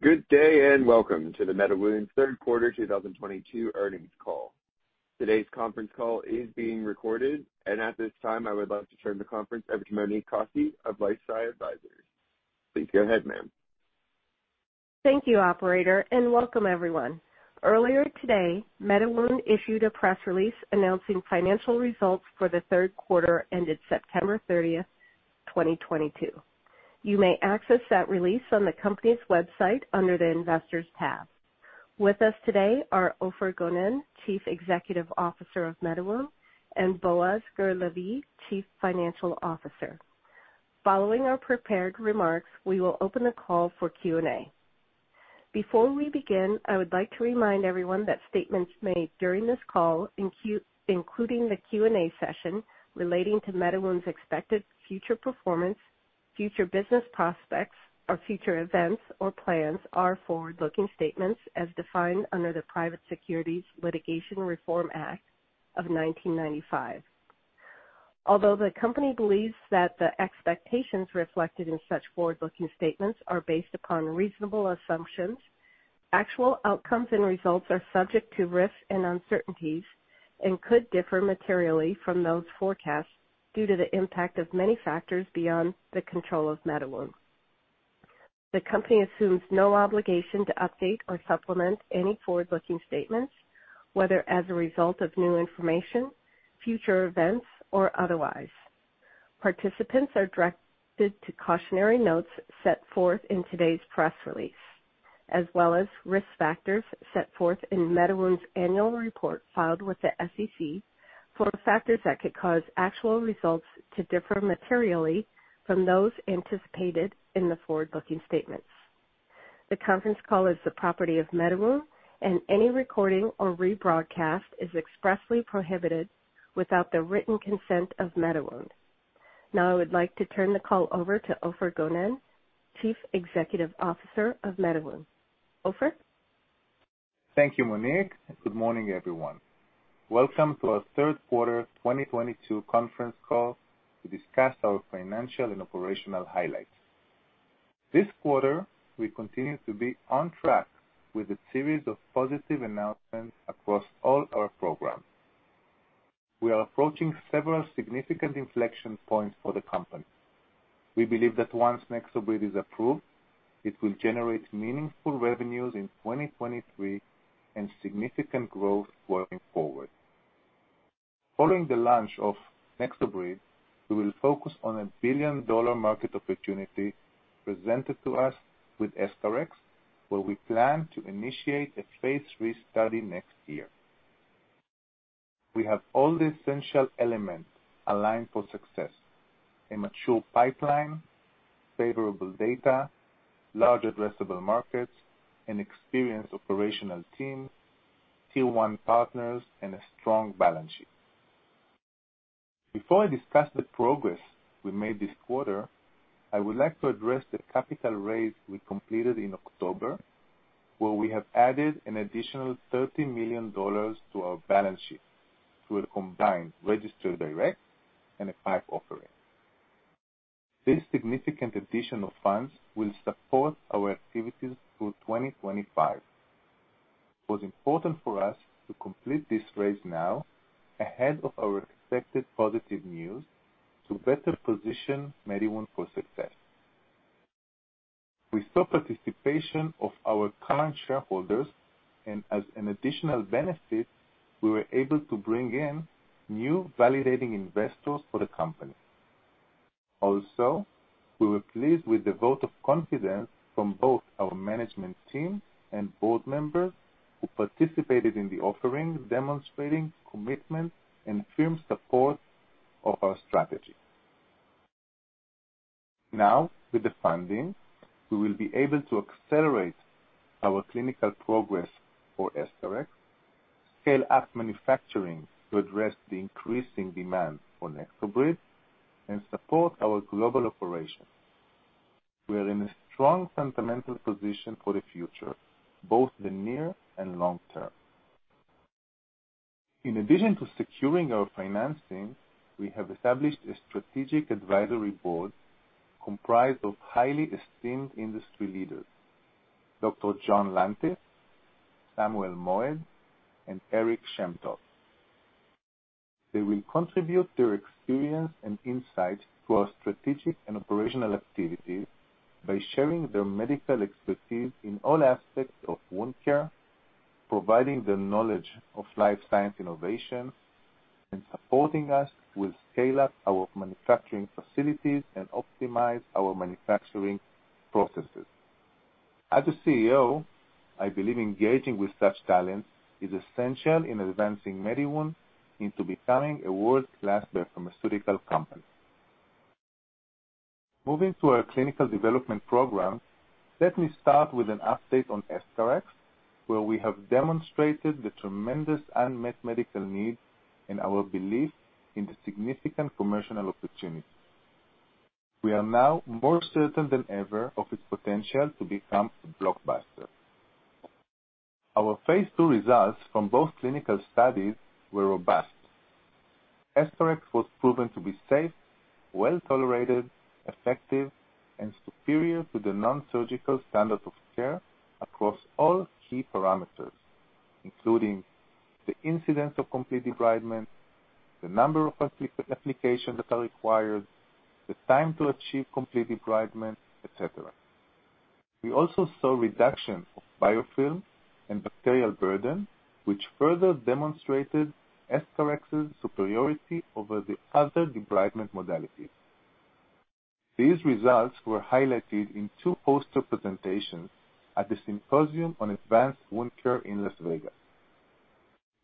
Good day, and welcome to the MediWound Q3 2022 Earnings Call. Today's conference call is being recorded. At this time, I would like to turn the conference over to Monique Kassi of LifeSci Advisors. Please go ahead, ma'am. Thank you, operator, and welcome everyone. Earlier today, MediWound issued a press release announcing financial results for the Q3 ended September 30th, 2022. You may access that release on the company's website under the Investors tab. With us today are Ofer Gonen, Chief Executive Officer of MediWound, and Boaz Gur-Lavie, Chief Financial Officer. Following our prepared remarks, we will open the call for Q&A. Before we begin, I would like to remind everyone that statements made during this call, including the Q&A session, relating to MediWound's expected future performance, future business prospects, or future events or plans are forward-looking statements as defined under the Private Securities Litigation Reform Act of 1995. Although the company believes that the expectations reflected in such forward-looking statements are based upon reasonable assumptions, actual outcomes and results are subject to risks and uncertainties and could differ materially from those forecasts due to the impact of many factors beyond the control of MediWound. The company assumes no obligation to update or supplement any forward-looking statements, whether as a result of new information, future events, or otherwise. Participants are directed to cautionary notes set forth in today's press release, as well as risk factors set forth in MediWound's annual report filed with the SEC for factors that could cause actual results to differ materially from those anticipated in the forward-looking statements. The conference call is the property of MediWound, and any recording or rebroadcast is expressly prohibited without the written consent of MediWound. Now, I would like to turn the call over to Ofer Gonen, Chief Executive Officer of MediWound. Ofer? Thank you, Monique, and good morning, everyone. Welcome to our Q3 2022 conference call to discuss our financial and operational highlights. This quarter, we continue to be on track with a series of positive announcements across all our programs. We are approaching several significant inflection points for the company. We believe that once NexoBrid is approved, it will generate meaningful revenues in 2023 and significant growth going forward. Following the launch of NexoBrid, we will focus on a billion-dollar market opportunity presented to us with EscharEx, where we plan to initiate a phase III study next year. We have all the essential elements aligned for success, a mature pipeline, favorable data, large addressable markets, an experienced operational team, tier one partners, and a strong balance sheet. Before I discuss the progress we made this quarter, I would like to address the capital raise we completed in October, where we have added an additional $30 million to our balance sheet through a combined registered direct and PIPE offering. This significant addition of funds will support our activities through 2025. It was important for us to complete this raise now ahead of our expected positive news to better position MediWound for success. We saw participation of our current shareholders, and as an additional benefit, we were able to bring in new validating investors for the company. Also, we were pleased with the vote of confidence from both our management team and board members who participated in the offering, demonstrating commitment and firm support of our strategy. Now, with the funding, we will be able to accelerate our clinical progress for EscharEx, scale up manufacturing to address the increasing demand for NexoBrid, and support our global operations. We are in a strong fundamental position for the future, both the near and long term. In addition to securing our financing, we have established a strategic advisory board comprised of highly esteemed industry leaders, Dr. John Lantis, Samuel Moed, and Eric Shem-Tov. They will contribute their experience and insights to our strategic and operational activities by sharing their medical expertise in all aspects of wound care, providing the knowledge of life science innovation, and supporting us to scale up our manufacturing facilities and optimize our manufacturing processes. As the CEO, I believe engaging with such talents is essential in advancing MediWound into becoming a world-class biopharmaceutical company. Moving to our clinical development program, let me start with an update on EscharEx, where we have demonstrated the tremendous unmet medical need and our belief in the significant commercial opportunity. We are now more certain than ever of its potential to become a blockbuster. Our phase two results from both clinical studies were robust. EscharEx was proven to be safe, well-tolerated, effective, and superior to the non-surgical standard of care across all key parameters, including the incidence of complete debridement, the number of applications that are required, the time to achieve complete debridement, et cetera. We also saw reduction of biofilm and bacterial burden, which further demonstrated EscharEx's superiority over the other debridement modalities. These results were highlighted in two poster presentations at the Symposium on Advanced Wound Care in Las Vegas.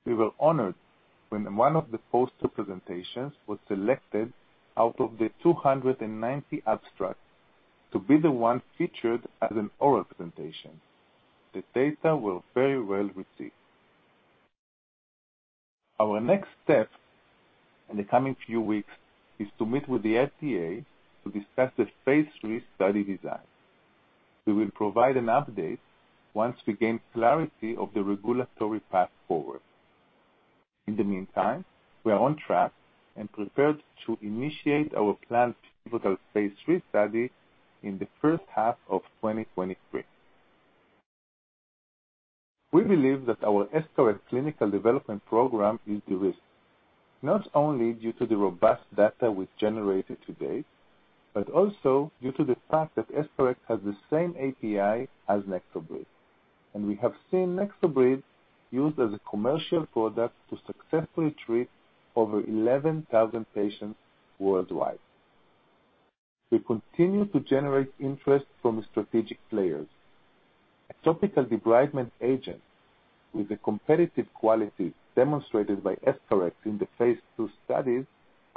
We were honored when one of the poster presentations was selected out of the 290 abstracts to be the one featured as an oral presentation. The data were very well-received. Our next step in the coming few weeks is to meet with the FDA to discuss the phase III study design. We will provide an update once we gain clarity of the regulatory path forward. In the meantime, we are on track and prepared to initiate our planned pivotal phase III study in the first half of 2023. We believe that our EscharEx clinical development program is de-risked, not only due to the robust data we've generated to date, but also due to the fact that EscharEx has the same API as NexoBrid, and we have seen NexoBrid used as a commercial product to successfully treat over 11,000 patients worldwide. We continue to generate interest from strategic players. A topical debridement agent with the competitive quality demonstrated by EscharEx in the phase II studies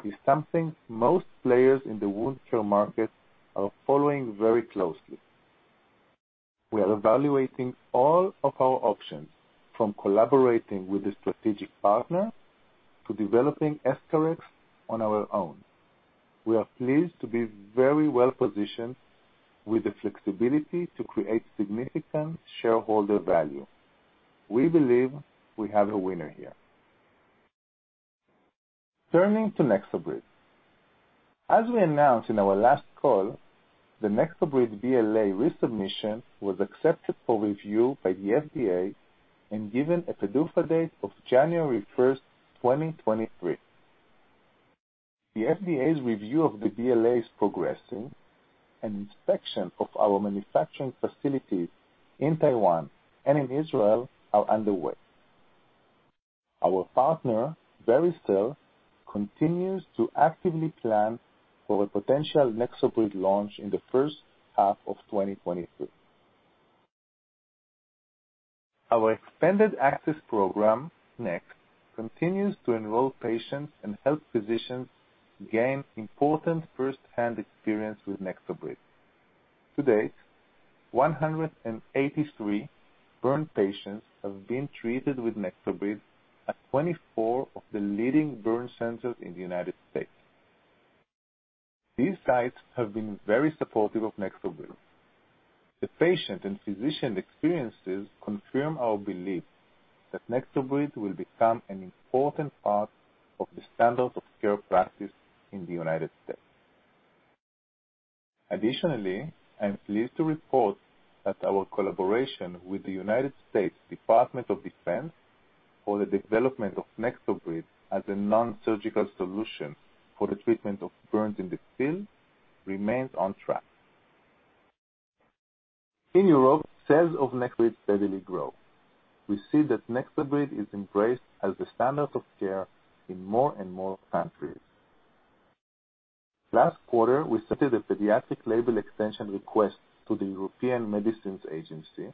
is something most players in the wound care market are following very closely. We are evaluating all of our options, from collaborating with a strategic partner to developing EscharEx on our own. We are pleased to be very well-positioned with the flexibility to create significant shareholder value. We believe we have a winner here. Turning to NexoBrid. As we announced in our last call, the NexoBrid BLA resubmission was accepted for review by the FDA and given a PDUFA date of January 1st, 2023. The FDA's review of the BLA is progressing, and inspection of our manufacturing facilities in Taiwan and in Israel are underway. Our partner, Vericel, continues to actively plan for a potential NexoBrid launch in the first half of 2023. Our expanded access program, NEXT, continues to enroll patients and help physicians gain important firsthand experience with NexoBrid. To date, 183 burn patients have been treated with NexoBrid at 24 of the leading burn centers in the United States. These sites have been very supportive of NexoBrid. The patient and physician experiences confirm our belief that NexoBrid will become an important part of the standard of care practice in the United States. Additionally, I'm pleased to report that our collaboration with the United States Department of Defense for the development of NexoBrid as a non-surgical solution for the treatment of burns in the field remains on track. In Europe, sales of NexoBrid steadily grow. We see that NexoBrid is embraced as the standard of care in more and more countries. Last quarter, we submitted a pediatric label extension request to the European Medicines Agency,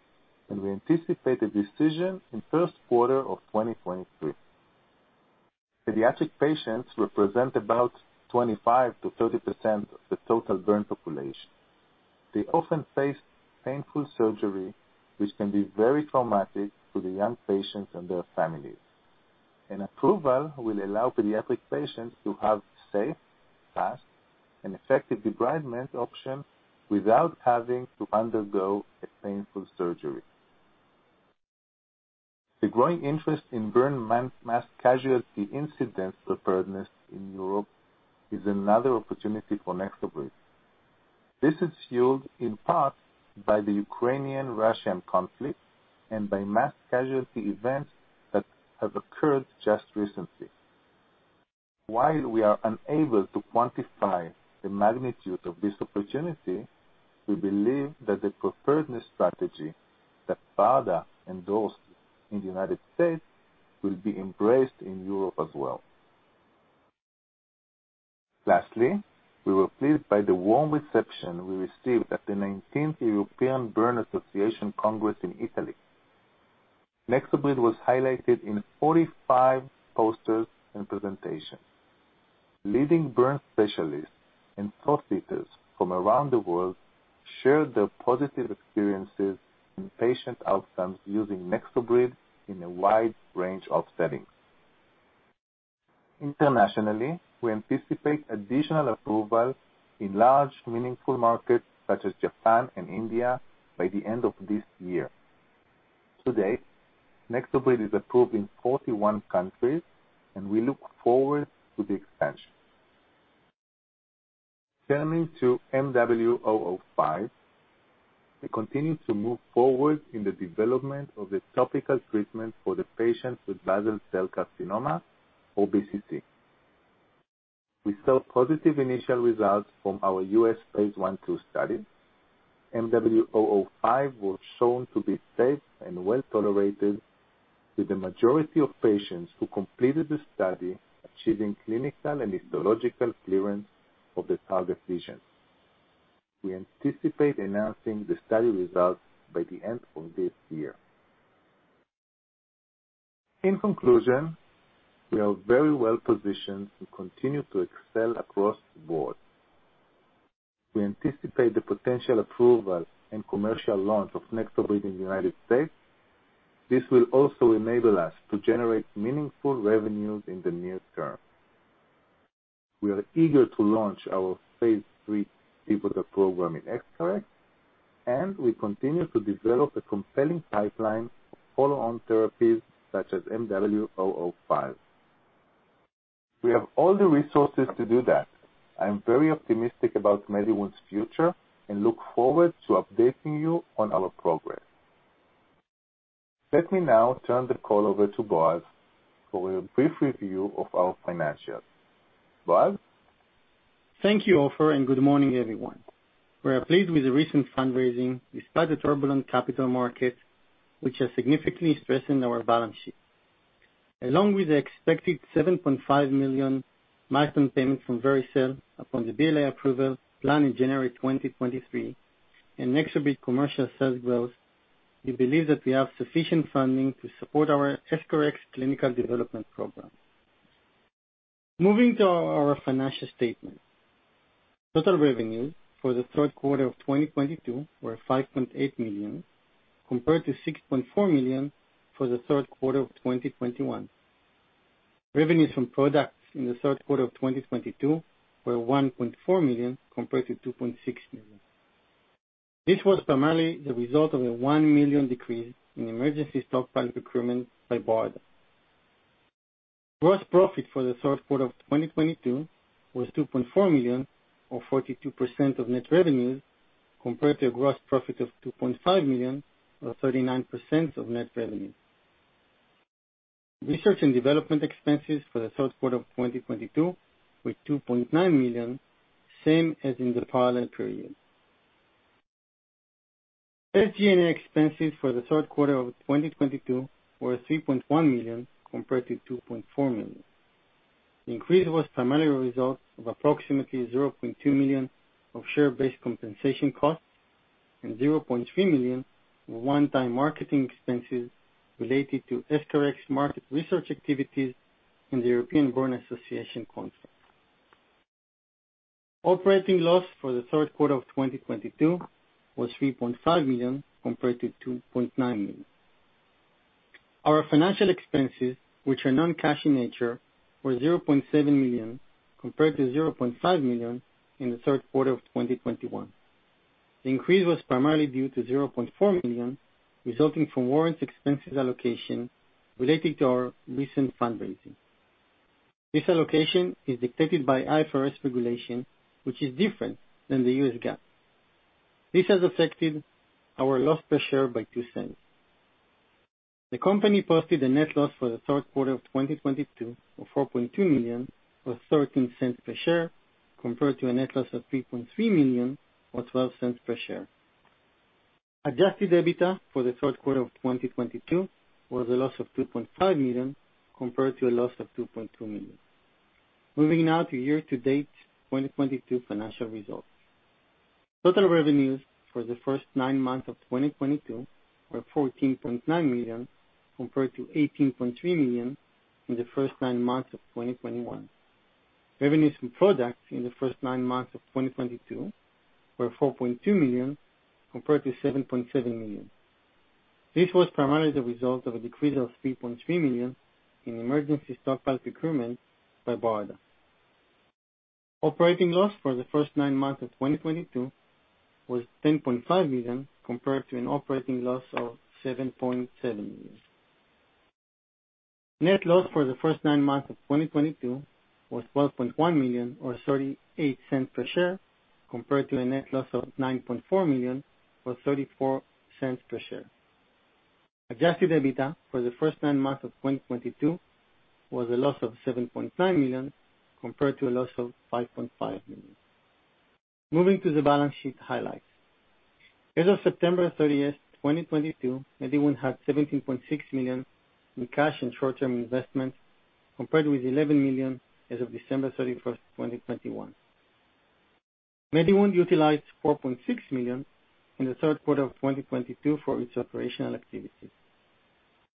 and we anticipate a decision in Q1 of 2023. Pediatric patients represent about 25% to 30% of the total burn population. They often face painful surgery, which can be very traumatic to the young patients and their families. An approval will allow pediatric patients to have safe, fast, and effective debridement options without having to undergo a painful surgery. The growing interest in burn mass casualty incidents preparedness in Europe is another opportunity for NexoBrid. This is fueled in part by the Ukrainian-Russian conflict and by mass casualty events that have occurred just recently. While we are unable to quantify the magnitude of this opportunity, we believe that the preparedness strategy that FDA endorsed in the United States will be embraced in Europe as well. Lastly, we were pleased by the warm reception we received at the nineteenth European Burn Association Congress in Italy. NexoBrid was highlighted in 45 posters and presentations. Leading burn specialists and practitioners from around the world shared their positive experiences and patient outcomes using NexoBrid in a wide range of settings. Internationally, we anticipate additional approval in large meaningful markets such as Japan and India by the end of this year. To date, NexoBrid is approved in 41 countries, and we look forward to the expansion. Turning to MW-zero zero five, we continue to move forward in the development of the topical treatment for the patients with basal cell carcinoma or BCC. We saw positive initial results from our U.S. phase I/II study. MW-005 was shown to be safe and well-tolerated, with the majority of patients who completed the study achieving clinical and histological clearance of the target lesions. We anticipate announcing the study results by the end of this year. In conclusion, we are very well-positioned to continue to excel across the board. We anticipate the potential approval and commercial launch of NexoBrid in the United States. This will also enable us to generate meaningful revenues in the near term. We are eager to launch our phase three pivotal program in EscharEx, and we continue to develop a compelling pipeline of follow-on therapies such as MW-005. We have all the resources to do that. I'm very optimistic about MediWound's future and look forward to updating you on our progress. Let me now turn the call over to Boaz for a brief review of our financials. Boaz? Thank you, Ofer, and good morning, everyone. We are pleased with the recent fundraising despite the turbulent capital markets, which has significantly strengthened our balance sheet. Along with the expected $7.5 million milestone payment from Vericel upon the BLA approval planned in January 2023 and NexoBrid commercial sales growth, we believe that we have sufficient funding to support our EscharEx clinical development program. Moving to our financial statement. Total revenues for the Q3 of 2022 were $5.8 million, compared to $6.4 million for the Q3 of 2021. Revenues from products in the Q3 of 2022 were $1.4 million, compared to $2.6 million. This was primarily the result of a $1 million decrease in emergency stockpile procurement by BARDA. Gross profit for the Q3 of 2022 was $2.4 million or 42% of net revenues, compared to a gross profit of $2.5 million or 39% of net revenue. Research and development expenses for the Q3 of 2022 were $2.9 million, same as in the prior year period. SG&A expenses for the Q3 of 2022 were $3.1 million, compared to $2.4 million. The increase was primarily a result of approximately $0.2 million of share-based compensation costs and $0.3 million in one-time marketing expenses related to EscharEx market research activities in the European Burns Association Congress. Operating loss for the Q3 of 2022 was $3.5 million, compared to $2.9 million. Our financial expenses, which are non-cash in nature, were $0.7 million, compared to $0.5 million in the Q3 of 2021. The increase was primarily due to $0.4 million, resulting from warrants expenses allocation related to our recent fundraising. This allocation is dictated by IFRS regulation, which is different than the U.S. GAAP. This has affected our loss per share by $0.02. The company posted a net loss for the Q3 of 2022 of $4.2 million or $0.13 per share, compared to a net loss of $3.3 million or $0.12 per share. Adjusted EBITDA for the Q3 of 2022 was a loss of $2.5 million, compared to a loss of $2.2 million. Moving now to year-to-date 2022 financial results. Total revenues for the first nine months of 2022 were $14.9 million, compared to $18.3 million in the first nine months of 2021. Revenues from products in the first nine months of 2022 were $4.2 million, compared to $7.7 million. This was primarily the result of a decrease of $3.3 million in emergency stockpile procurement by BARDA. Operating loss for the first nine months of 2022 was $10.5 million, compared to an operating loss of $7.7 million. Net loss for the first nine months of 2022 was $12.1 million or $0.38 per share, compared to a net loss of $9.4 million or $0.34 per share. Adjusted EBITDA for the first nine months of 2022 was a loss of $7.9 million, compared to a loss of $5.5 million. Moving to the balance sheet highlights. As of September 30, 2022, MediWound had $17.6 million in cash and short-term investments, compared with $11 million as of December 31, 2021. MediWound utilized $4.6 million in the Q3 of 2022 for its operational activities.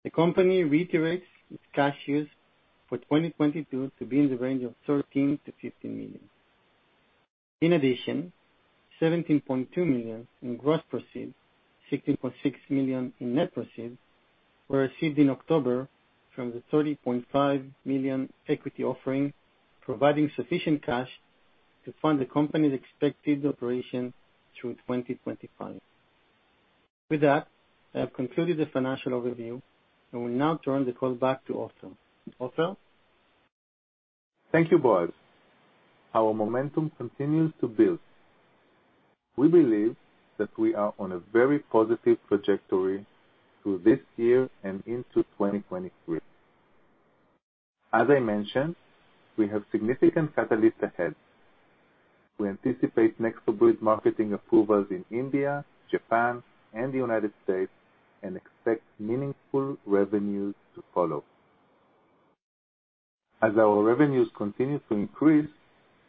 The company reiterates its cash use for 2022 to be in the range of $13 million to $15 million. In addition, $17.2 million in gross proceeds, $16.6 million in net proceeds were received in October from the $30.5 million equity offering, providing sufficient cash to fund the company's expected operation through 2025. With that, I have concluded the financial overview and will now turn the call back to Ofer. Ofer? Thank you, Boaz. Our momentum continues to build. We believe that we are on a very positive trajectory through this year and into 2023. As I mentioned, we have significant catalysts ahead. We anticipate NexoBrid marketing approvals in India, Japan, and the United States, and expect meaningful revenues to follow. As our revenues continue to increase,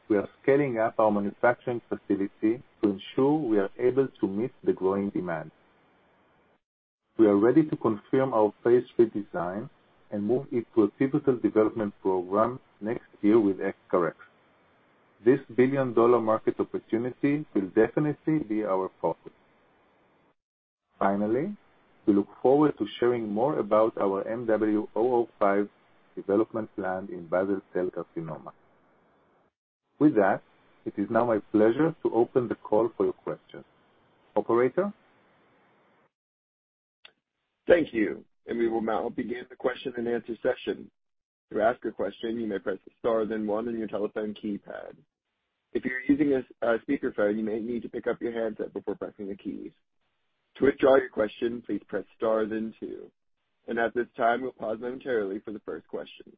we are scaling up our manufacturing facility to ensure we are able to meet the growing demand. We are ready to confirm our phase III design and move it to a pivotal development program next year with EscharEx. This billion-dollar market opportunity will definitely be our focus. Finally, we look forward to sharing more about our MW-005 development plan in basal cell carcinoma. With that, it is now my pleasure to open the call for your questions. Operator? Thank you. We will now begin the Q&A session. To ask a question, you may press star then one on your telephone keypad. If you're using a speakerphone, you may need to pick up your handset before pressing the keys. To withdraw your question, please press star then two. At this time, we'll pause momentarily for the first question.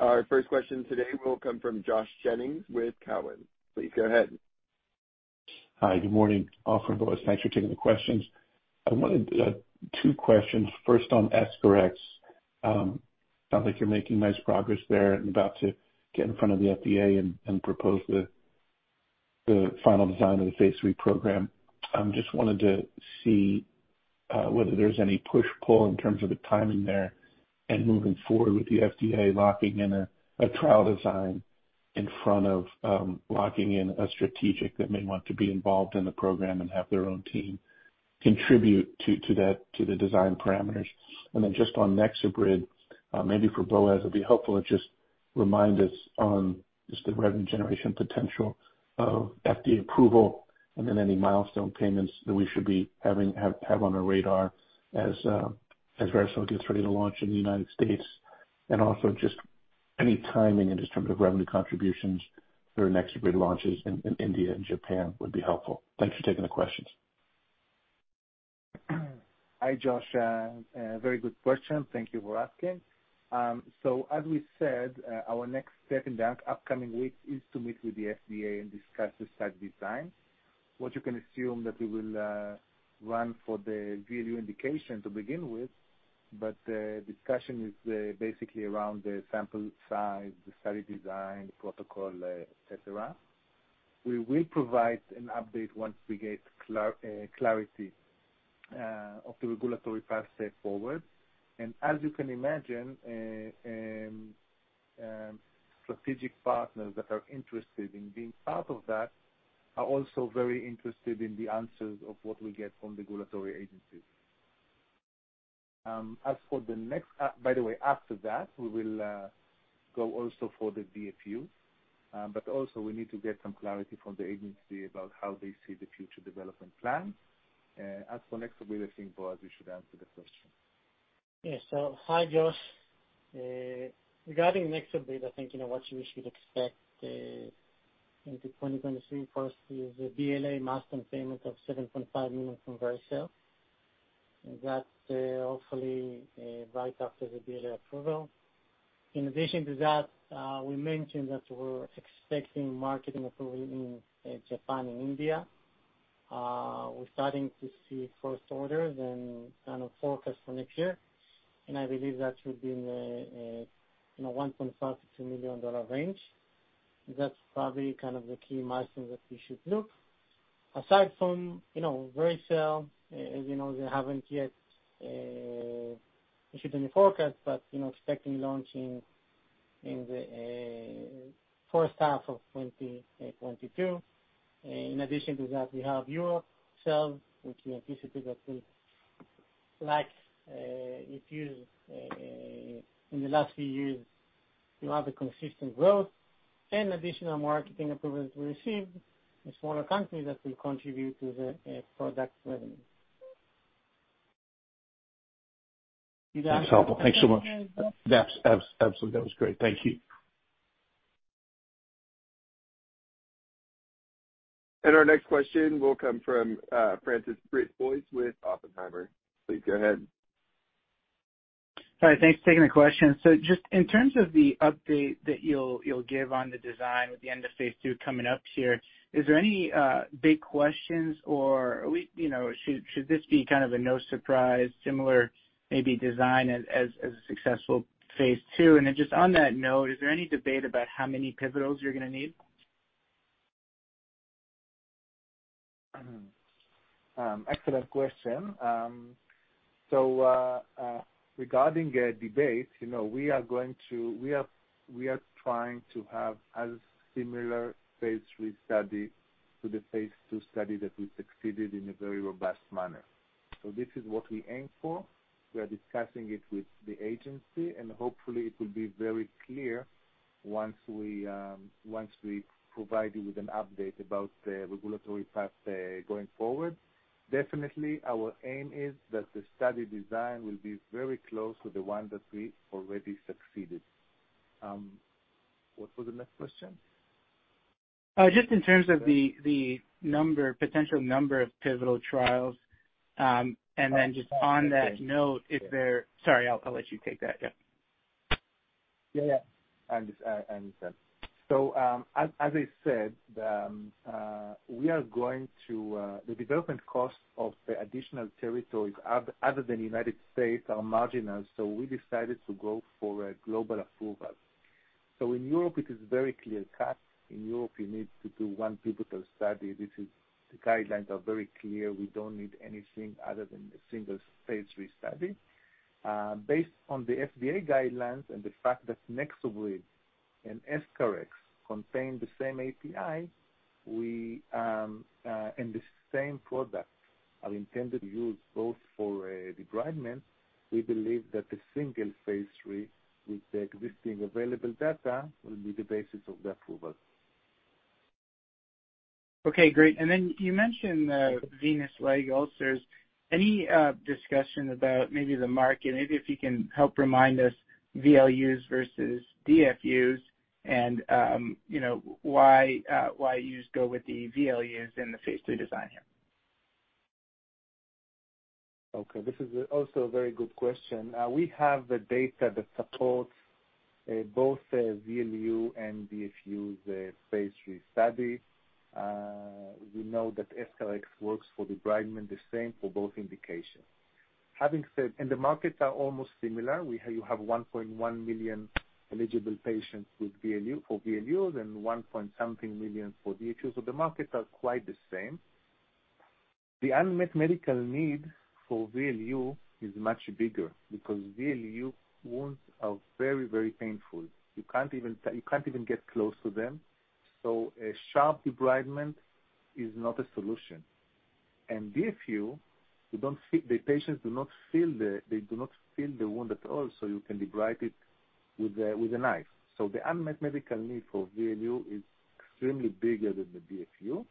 Our first question today will come from Josh Jennings with TD Cowen. Please go ahead. Hi. Good morning, Ofer and Boaz. Thanks for taking the questions. I wanted two questions, first on EscharEx. Sounds like you're making nice progress there and about to get in front of the FDA and propose the final design of the phase III program. Just wanted to see whether there's any push/pull in terms of the timing there and moving forward with the FDA locking in a trial design in front of locking in a strategic that may want to be involved in the program and have their own team contribute to that, to the design parameters. Just on NexoBrid, maybe for Boaz, it'd be helpful to just remind us on just the revenue generation potential of FDA approval and then any milestone payments that we should have on our radar as Vericel gets ready to launch in the United States. Also just any timing in just terms of revenue contributions for NexoBrid launches in India and Japan would be helpful. Thanks for taking the questions. Hi, Josh. Very good question. Thank you for asking. So as we said, our next step in the upcoming weeks is to meet with the FDA and discuss the study design. What you can assume that we will run for the VLU indication to begin with, but the discussion is basically around the sample size, the study design, protocol, et cetera. We will provide an update once we get clarity of the regulatory pathway forward. As you can imagine, strategic partners that are interested in being part of that are also very interested in the answers of what we get from regulatory agencies. By the way, after that, we will go also for the DFU, but also we need to get some clarity from the agency about how they see the future development plan. As for NexoBrid, I think Boaz you should answer the question. Yeah. Hi, Josh. Regarding NexoBrid, I think, you know, what you should expect into 2023 first is a BLA milestone payment of $7.5 million from Vericel. That hopefully right after the BLA approval. In addition to that, we mentioned that we're expecting marketing approval in Japan and India. We're starting to see first orders and kind of forecast for next year, and I believe that should be in the $1.5 million to $2 million range. That's probably kind of the key milestone that we should look. Aside from, you know, Vericel, as you know, they haven't yet issued any forecast, but, you know, expecting launching in the first half of 2022. in addition to that, we have European sales, which we anticipate that will, like, if you, in the last few years, you have a consistent growth and additional marketing approvals we received, the smaller countries that will contribute to the product's revenue. That's helpful. Thanks so much. That's absolute. That was great. Thank you. Our next question will come from François Brisebois with Oppenheimer. Please go ahead. Hi. Thanks for taking the question. Just in terms of the update that you'll give on the design with the end of phase II coming up here, is there any big questions or should this be kind of a no surprise, similar maybe design as a successful phase II? Just on that note, is there any debate about how many pivotals you're gonna need? Excellent question. Regarding a debate, you know, we are trying to have as similar phase III study to the phase II study that we succeeded in a very robust manner. This is what we aim for. We are discussing it with the agency, and hopefully it will be very clear once we provide you with an update about the regulatory path going forward. Definitely, our aim is that the study design will be very close to the one that we already succeeded. What was the next question? Just in terms of the number, potential number of pivotal trials, and then just on that note. Sorry, I'll let you take that. Yeah. Yeah, yeah. I understand. As I said, the development costs of the additional territories other than United States are marginal, so we decided to go for a global approval. In Europe it is very clear-cut. In Europe, you need to do one pivotal study. The guidelines are very clear. We don't need anything other than a single phase three study. Based on the FDA guidelines and the fact that NexoBrid and EscharEx® contain the same API, and the same products are intended to use both for debridement, we believe that the single phase three with the existing available data will be the basis of the approval. Okay, great. Then you mentioned venous leg ulcers. Any discussion about maybe the market, maybe if you can help remind us VLUs versus DFUs and you know why use the VLUs in the phase III design here? Okay, this is also a very good question. We have the data that supports both VLU and DFU, the phase III study. We know that EscharEx® works for debridement the same for both indications. The markets are almost similar. You have 1.1 million eligible patients with VLU, for VLUs and 1.something million for DFUs. The markets are quite the same. The unmet medical need for VLU is much bigger because VLU wounds are very, very painful. You can't even get close to them. A sharp debridement is not a solution. DFU, the patients do not feel the wound at all, so you can debride it with a knife. The unmet medical need for VLU is extremely bigger than the DFU.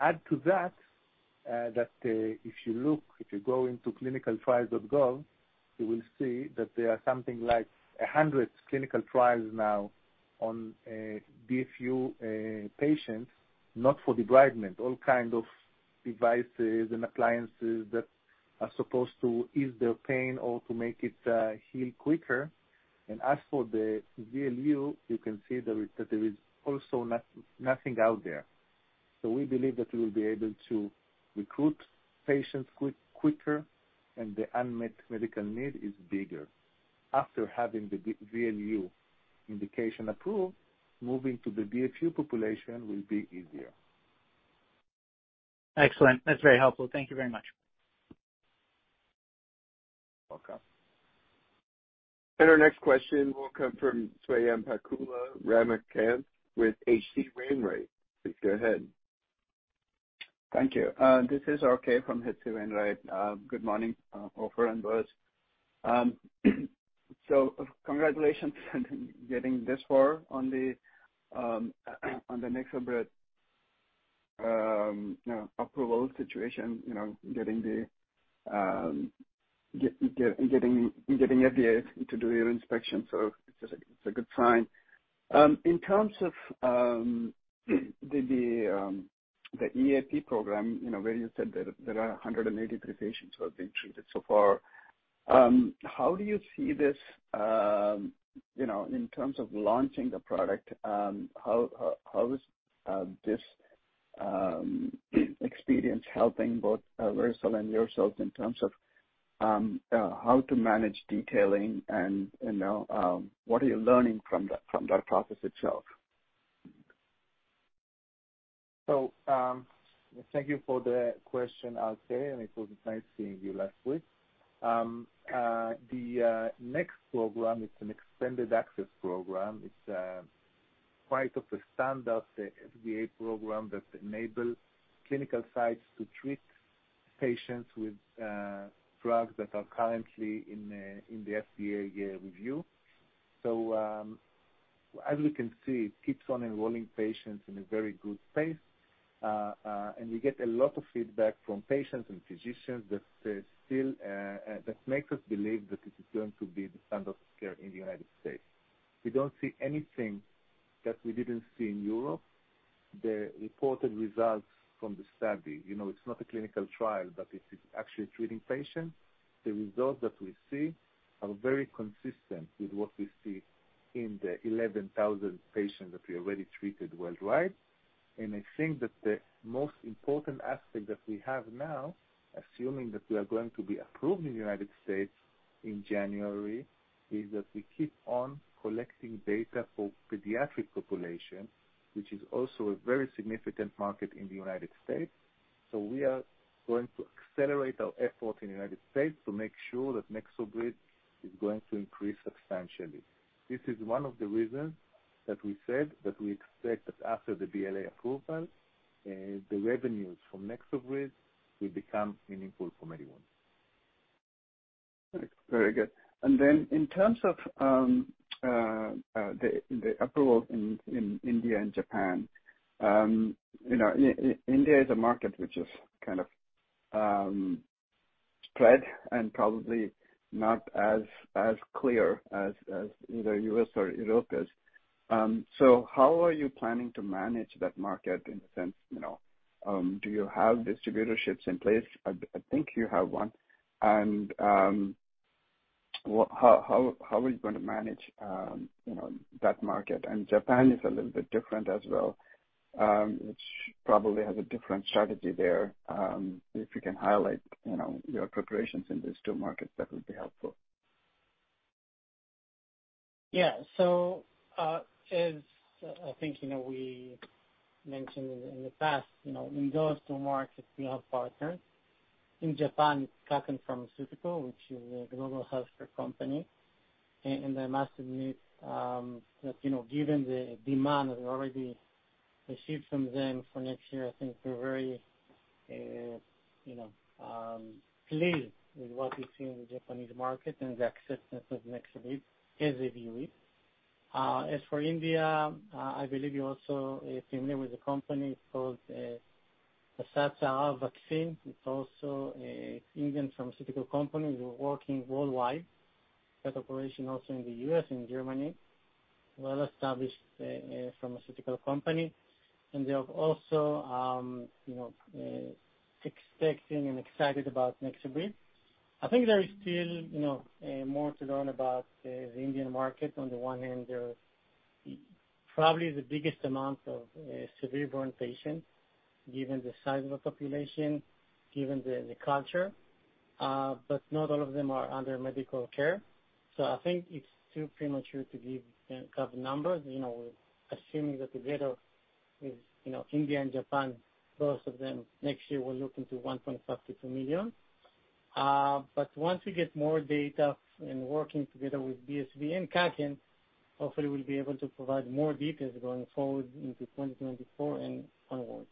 Add to that, if you look, if you go into ClinicalTrials.gov, you will see that there are something like 100 clinical trials now on DFU patients, not for debridement. All kind of devices and appliances that are supposed to ease their pain or to make it heal quicker. As for the VLU, you can see that there is also nothing out there. We believe that we will be able to recruit patients quicker and the unmet medical need is bigger. After having the VLU indication approved, moving to the DFU population will be easier. Excellent. That's very helpful. Thank you very much. Welcome. Our next question will come from Swayampakula Ramakanth with H.C. Wainwright & Co. Please go ahead. Thank you. This is RK from H.C. Wainwright. Good morning, Ofer and Boaz. Congratulations on getting this far on the NexoBrid approval situation. You know, getting the FDA to do your inspection. It's a good sign. In terms of the EAP program, you know, where you said there are 183 patients who have been treated so far, how do you see this, you know, in terms of launching the product, how is this experience helping both Vericel and yourselves in terms of how to manage detailing and, you know, what are you learning from that process itself? Thank you for the question, RK, and it was nice seeing you last week. The next program is an extended access program. It's quite of a standard FDA program that enable clinical sites to treat patients with drugs that are currently in the FDA review. As we can see, it keeps on enrolling patients in a very good pace. We get a lot of feedback from patients and physicians that still that makes us believe that it is going to be the standard of care in the United States. We don't see anything that we didn't see in Europe. The reported results from the study, you know, it's not a clinical trial, but it is actually treating patients. The results that we see are very consistent with what we see in the 11,000 patients that we already treated worldwide. I think that the most important aspect that we have now, assuming that we are going to be approved in the United States in January, is that we keep on collecting data for pediatric population, which is also a very significant market in the United States. We are going to accelerate our effort in the United States to make sure that NexoBrid is going to increase substantially. This is one of the reasons that we said that we expect that after the BLA approval, the revenues from NexoBrid will become meaningful for MediWound. Very good. In terms of the approval in India and Japan, you know, India is a market which is kind of spread and probably not as clear as either U.S. or Europe is. How are you planning to manage that market in the sense, you know, do you have distributorships in place? I think you have one. How are you going to manage, you know, that market? Japan is a little bit different as well, which probably has a different strategy there. If you can highlight, you know, your preparations in these two markets, that would be helpful. Yeah. As I think, you know, we mentioned in the past, you know, in those two markets we have partners. In Japan, it's Kaken Pharmaceutical, which is a global healthcare company. I must admit, that, you know, given the demand that we already received from them for next year, I think we're very, you know, pleased with what we see in the Japanese market and the acceptance of NexoBrid as we view it. As for India, I believe you're also familiar with the company. It's called Serum Institute of India. It's also an Indian pharmaceutical company. We're working worldwide. That operation also in the U.S. and Germany. Well-established pharmaceutical company. They are also expecting and excited about NexoBrid. I think there is still, you know, more to learn about the Indian market. On the one hand, they're probably the biggest amount of severe burn patients, given the size of the population, given the culture, but not all of them are under medical care. I think it's too premature to give kind of numbers. You know, assuming that together with, you know, India and Japan, both of them next year will look into 1.5 million to 2 million. Once we get more data in working together with BSV and Kaken, hopefully we'll be able to provide more details going forward into 2024 and onwards.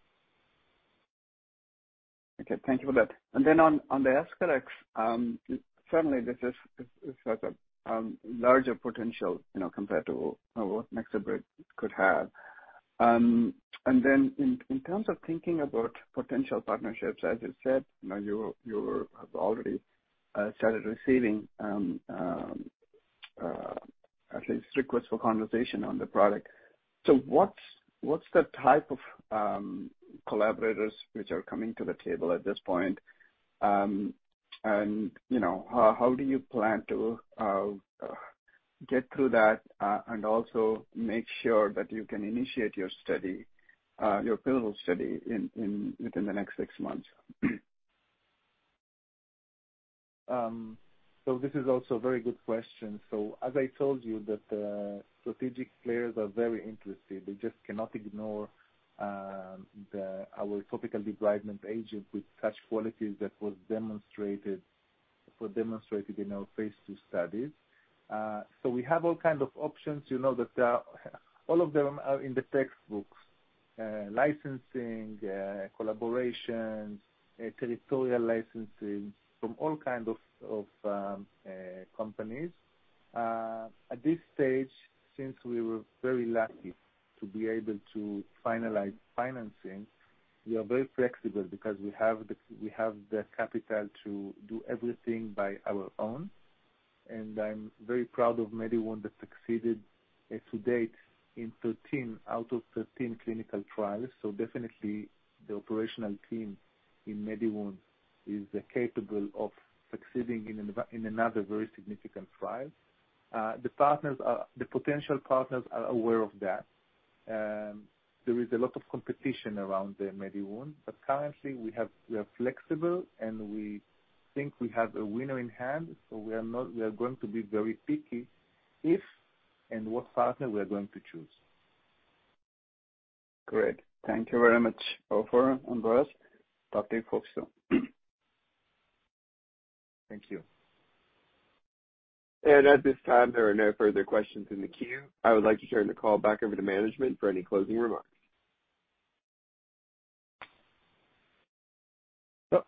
Okay, thank you for that. On the EscharEx, certainly this is, this has larger potential, you know, compared to what NexoBrid could have. In terms of thinking about potential partnerships, as you said, you know, you have already started receiving at least requests for conversation on the product. So what's the type of collaborators which are coming to the table at this point? You know, how do you plan to get through that and also make sure that you can initiate your study, your pivotal study within the next six months? This is also a very good question. As I told you that the strategic players are very interested. They just cannot ignore our topical debridement agent with such qualities that was demonstrated in our phase II studies. We have all kind of options, you know, that all of them are in the textbooks. Licensing, collaborations, territorial licensing from all kind of companies. At this stage, since we were very lucky to be able to finalize financing, we are very flexible because we have the capital to do everything by our own. I'm very proud of MediWound that succeeded to date in 13 out of 13 clinical trials. Definitely the operational team in MediWound is capable of succeeding in another very significant trial. The potential partners are aware of that. There is a lot of competition around the MediWound, but currently we are flexible and we think we have a winner in hand, so we are going to be very picky if and what partner we are going to choose. Great. Thank you very much, Ofer and Boaz. Talk to you folks soon. Thank you. At this time, there are no further questions in the queue. I would like to turn the call back over to management for any closing remarks.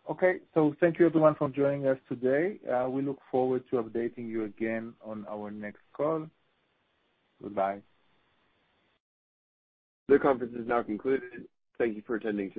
Okay. Thank you everyone for joining us today. We look forward to updating you again on our next call. Goodbye. The conference is now concluded. Thank you for attending.